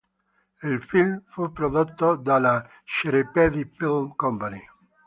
Il film fu prodotto dalla Cserépy-Film Co.